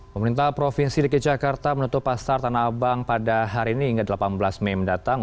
pemerintah provinsi dki jakarta menutup pasar tanah abang pada hari ini hingga delapan belas mei mendatang